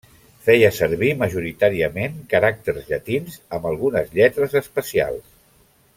Feia servir majoritàriament caràcters llatins amb algunes lletres especials.